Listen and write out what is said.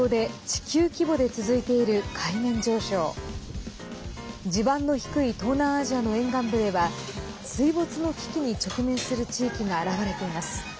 地盤の低い東南アジアの沿岸部では、水没の危機に直面する地域が現れています。